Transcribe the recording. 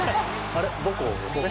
あれ母校ですね。